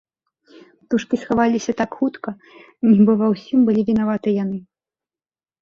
Птушкі схаваліся так хутка, нібы ва ўсім былі вінаваты яны.